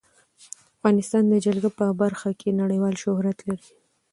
افغانستان د جلګه په برخه کې نړیوال شهرت لري.